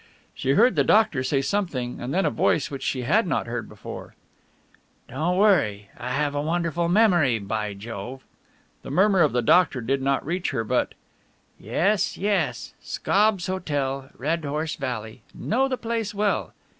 She heard the doctor say something and then a voice which she had not heard before. "Don't worry I've a wonderful memory, by Jove!..." The murmur of the doctor did not reach her, but "Yes, yes ... Scobbs' Hotel, Red Horse Valley ... know the place well